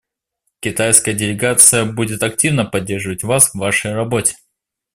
Китайская делегация будет активно поддерживать вас в вашей работе.